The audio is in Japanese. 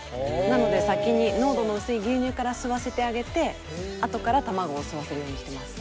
なので先に濃度の薄い牛乳から吸わせてあげて後から卵を吸わせるようにしてます。